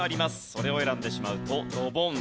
それを選んでしまうとドボン。